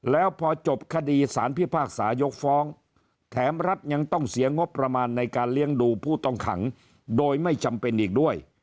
แล้วพอจบคดีสารพิพากษายกฟ้องแถมรัฐยังต้องเสียงบประมาณในการเลี้ยงดูผู้ต้องขังโดยไม่จำเป็นอีกด้วย